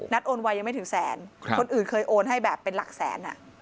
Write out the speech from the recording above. โอนไวยังไม่ถึงแสนคนอื่นเคยโอนให้แบบเป็นหลักแสน